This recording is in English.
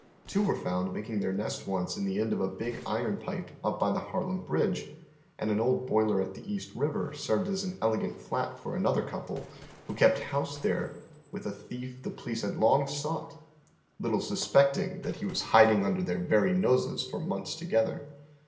Two were found making their nest once in the end of a big ii'on pipe . up by the Harlem Bri(jge, and an old boiler at the East River served as an elegant flat for another conple, who kept house tliere with a thief the police had long sought, little suspecting that he was hiding under their very noses for months together.